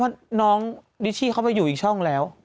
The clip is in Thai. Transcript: เพราะน้องดิชชี่เขาไปอยู่อีกช่องแล้ว